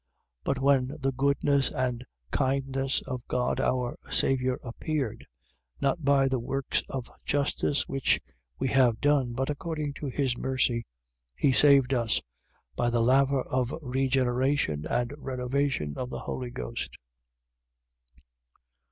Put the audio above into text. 3:4. But when the goodness and kindness of God our Saviour appeared: 3:5. Not by the works of justice which we have done, but according to his mercy, he saved us, by the laver of regeneration and renovation of the Holy Ghost.